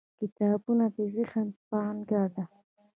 • کتابونه د ذهن پانګه ده.